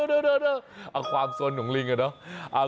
ดูความส้นของลิงน่ะเนาะ